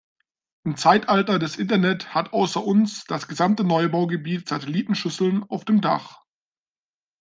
Im Zeitalter des Internet hat außer uns, das gesamte Neubaugebiet Satellitenschüsseln auf dem Dach.